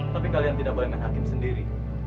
tapi kalian tidak boleh menghakim sendiri